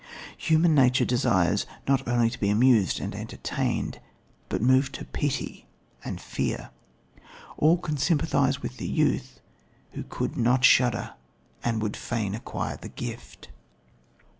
Human nature desires not only to be amused and entertained, but moved to pity and fear. All can sympathise with the youth, who could not shudder and who would fain acquire the gift.